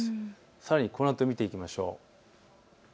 さらにこのあと見ていきましょう。